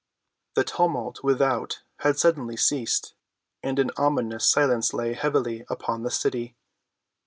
The tumult without had suddenly ceased, and an ominous silence lay heavily upon the city.